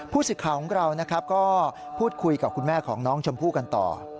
ผู้ศึกข่าวของเราก็พูดคุยกับคุณแม่ของน้องชมพู่กันต่อ